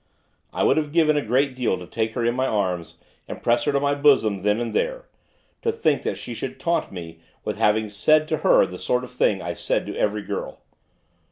I would have given a great deal to take her in my arms, and press her to my bosom then and there, to think that she should taunt me with having said to her the sort of thing I said to every girl.